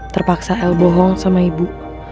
terpaksa l bohong sama ibu